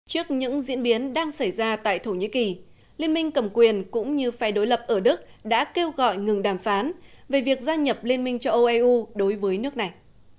trước những diễn biến đang xảy ra tại thổ nhĩ kỳ liên minh cầm quyền cũng như phe đối lập ở đức đã kêu gọi ngừng đàm phán về việc gia nhập liên minh châu âu eu đối với nước này